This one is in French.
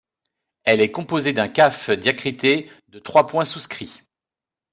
Elle est composée d’un kāf diacrité de trois points souscrits.